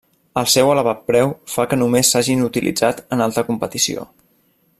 El seu elevat preu fa que només s'hagin utilitzat en alta competició.